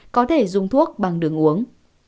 có thể dùng thuốc bằng đường uống